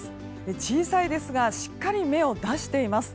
小さいですがしっかり芽を出しています。